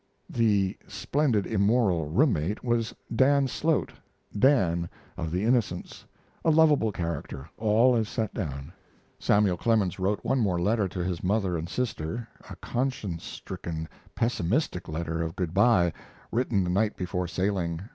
The "splendid immoral room mate" was Dan Slote "Dan," of The Innocents, a lovable character all as set down. Samuel Clemens wrote one more letter to his mother and sister a conscience stricken, pessimistic letter of good by written the night before sailing.